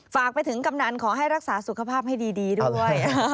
ฝากไปถึงกำนันขอให้รักษาสุขภาพให้ดีด้วย